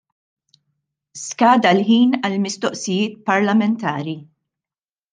Skada l-ħin għall-mistoqsijiet parlamentari.